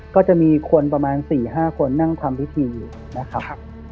ก็จะมีคนประมาณ๔๕คนนั่งทำพิธีอยู่นะครับ